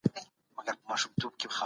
اسلام د سولي دین دی.